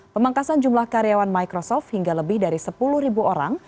pemangkasan jumlah karyawan microsoft hingga lebih dari sepuluh orang